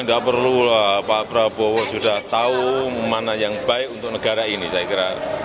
tidak perlulah pak prabowo sudah tahu mana yang baik untuk negara ini saya kira